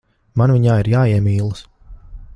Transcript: Man viņā ir jāiemīlas.